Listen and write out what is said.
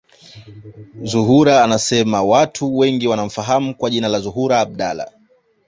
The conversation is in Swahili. Zuhura anasema watu wengi wanamfahamu kwa jina la Zuhura Abdallah